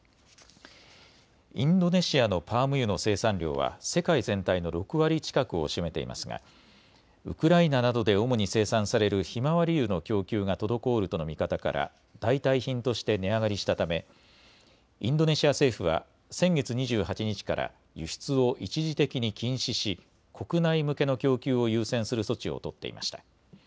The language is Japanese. インドネシアのパーム油の生産量は世界全体の６割近くを占めていますがウクライナなどで主に生産されるひまわり油の供給が滞るとの見方から代替品として値上がりしたためインドネシア政府は先月２８日から輸出を一時的に禁止し国内向けの供給を優先する措置を取っていました。